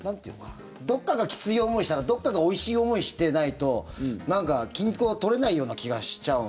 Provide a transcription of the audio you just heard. どこかがきつい思いをしたらどこかがおいしい思いしてないと均衡が取れないような気がしちゃう。